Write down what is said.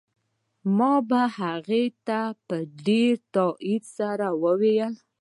ما به هغه ته په ډېر تاکيد سره اوروله.